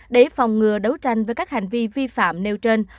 để phòng ngừa đấu tranh với các hành vi vi phạm nêu trên